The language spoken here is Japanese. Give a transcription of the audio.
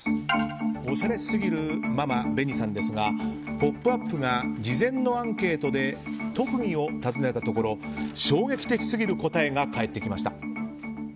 おしゃれすぎるママＢＥＮＩさんですが「ポップＵＰ！」が事前のアンケートで特技を尋ねたところ衝撃的すぎる答えが返ってきました。